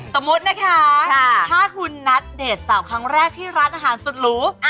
สมมุตินะคะถ้าคุณนัดเดทสาวครั้งแรกที่ร้านอาหารสุดหรู